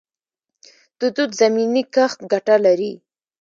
د توت زمینی کښت ګټه لري؟